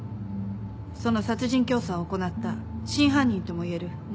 その殺人教唆を行った真犯人とも言える元